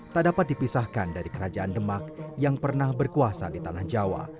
tak dapat dipisahkan dari kerajaan demak yang pernah berkuasa di tanah jawa